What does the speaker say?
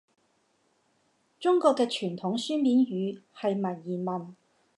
中國嘅傳統書面語係文言文